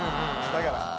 だから。